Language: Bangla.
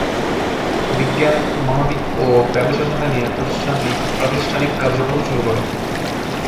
বিজ্ঞান, মানবিক ও ব্যবসা শাখা নিয়ে প্রতিষ্ঠানটি প্রাতিষ্ঠানিক কার্যক্রম শুরু করে।